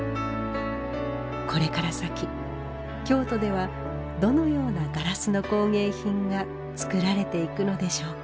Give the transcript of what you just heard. これから先京都ではどのようなガラスの工芸品が作られていくのでしょうか。